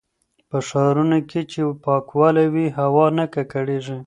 په ښارونو کې چې پاکوالی وي، هوا نه ککړېږي.